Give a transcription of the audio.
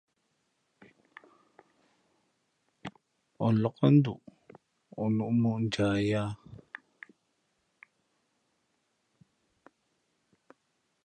O lǎk nduʼ, o nū mǒʼ njah yāā.